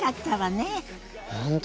本当